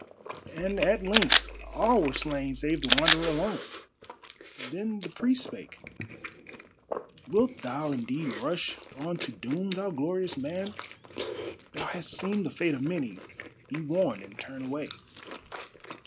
And at length all were slain save the Wanderer alone. Then the priest spake: "Wilt thou indeed rush on to doom, thou glorious man? Thou hast seen the fate of many. Be warned and turn away."